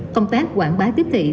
công tác quảng bá tiếp thị